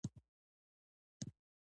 پراتۀ زمونږ پۀ ذهن کښې لفظونه ټول پردي دي